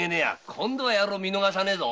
今度は見逃さねえぞ。